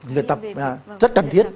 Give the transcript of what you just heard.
người tập rất trân thiết